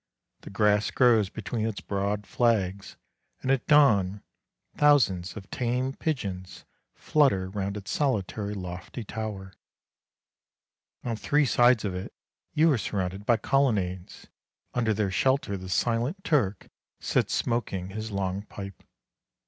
The grass grows between its broad flags, and at dawn thousands of tame pigeons flutter round its solitary lofty tower. On three sides of it you are surrounded by colonades; under their shelter the silent Turk sits smoking his long pipe.